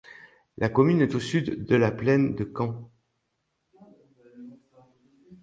La commune est au sud de la plaine de Caen.